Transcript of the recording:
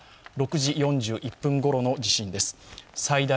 ６時４１分ごろの地震です。